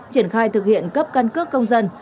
triển khai thực hiện cấp căn cước công dân